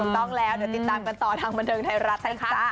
ต้องแล้วเดี๋ยวติดตามกันต่อทางบันเทิงไทยรัฐนะจ๊ะ